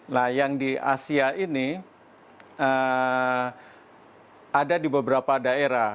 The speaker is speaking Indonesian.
nah yang di asia ini ada di beberapa daerah